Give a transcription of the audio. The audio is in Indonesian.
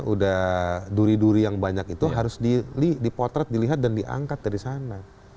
udah duri duri yang banyak itu harus dipotret dilihat dan diangkat dari sana